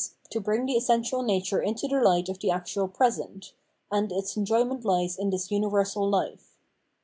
to bring the essential nature into the hght of the actual present, — and its enjojrment .hes in this universal life.